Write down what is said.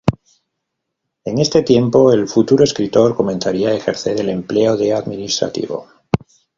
En este tiempo, el futuro escritor comenzaría a ejercer el empleo de administrativo.